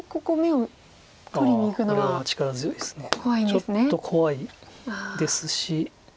ちょっと怖いですし。